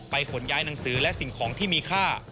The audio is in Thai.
ขนย้ายหนังสือและสิ่งของที่มีค่า